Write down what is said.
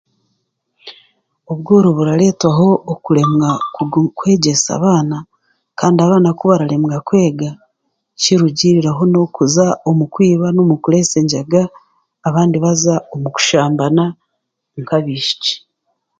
Obworo burareetaho kuremwa kwegyesa abaana, kandi abaana ku bararemwa kwega, kirugiriraho n'okuza omu kwiba n'omu kureesa enjaga, abandi b'aza omu kushambana nk'abaishiki.